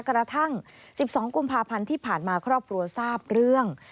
กระทั่ง๑๒กุมภาพันธ์ที่ผ่านมาครอบครัวทราบเรื่อง